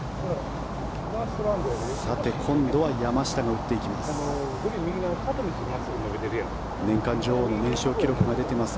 今度は山下が打っていきます。